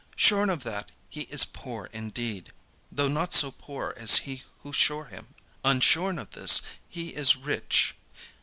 Shorn of that, he is poor indeed, though not so poor as he who shore him. Unshorn of this, he is rich.